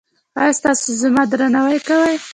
ایا تاسو زما درناوی کوئ؟